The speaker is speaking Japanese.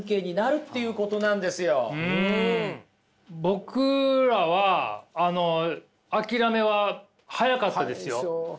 僕らは諦めは早かったですよ。